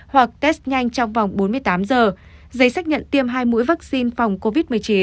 hoặc test nhanh trong vòng bốn mươi tám giờ giấy xác nhận tiêm hai mũi vaccine phòng covid một mươi chín